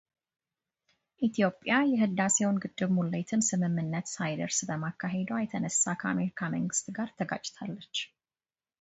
ኢትዮጵያ የሕዳሴውን ግድብ ሙሌትን ስምምነት ሳይደረስ በማካሄዷ የተነሳ ከአሜሪካ መንግሥት ጋር ተጋጭታለች